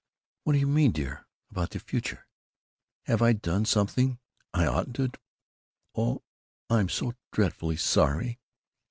"What do you mean, dear, 'about the future'? Have I done something I oughtn't to? Oh, I'm so dreadfully sorry!"